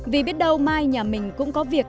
vì biết đâu mai nhà mình cũng có việc